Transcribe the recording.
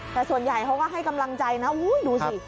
แต่ส่วนใหญ่เขาก็ให้กำลังใจนะดูสิ